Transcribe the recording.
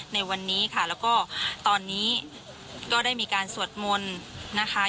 ในวันนี้ค่ะแล้วก็ตอนนี้ก็ได้มีการสวดมนต์นะคะ